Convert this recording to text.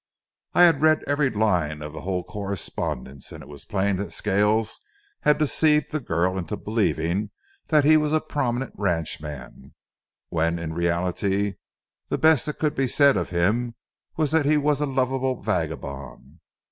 I had read every line of the whole correspondence, and it was plain that Scales had deceived the girl into believing that he was a prominent ranchman, when in reality the best that could be said of him was that he was a lovable vagabond.